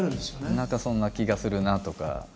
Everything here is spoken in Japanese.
何かそんな気がするなあとか。